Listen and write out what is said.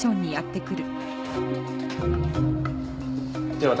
じゃあ私